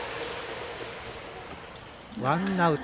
ワンアウト。